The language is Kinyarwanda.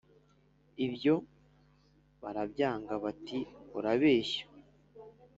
Ibyo barabyanga bati : Urabeshya